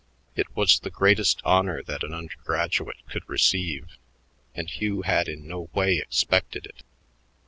It was the greatest honor that an undergraduate could receive, and Hugh had in no way expected it.